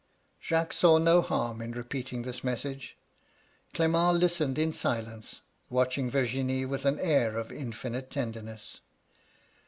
*^ Jacques saw no harm in repeating this message. Clement listened in silence, watching Virginie with an air of infinite tenderness.